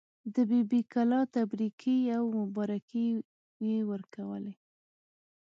د بي بي کلا تبریکې او مبارکۍ یې ورکولې.